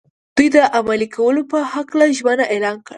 دوی د عملي کولو په هکله ژمنه اعلان کړه.